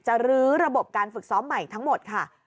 รื้อระบบการฝึกซ้อมใหม่ทั้งหมดค่ะ